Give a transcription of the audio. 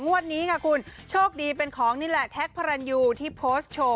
งวดนี้ค่ะคุณโชคดีเป็นของนี่แหละแท็กพระรันยูที่โพสต์โชว์